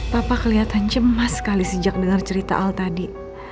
papa kelihatan cemas sekali sejak dengar cerita al tadi